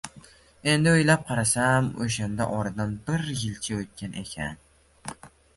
Endi o`ylab qarasam, o`shanda oradan bir yilcha o`tgan ekan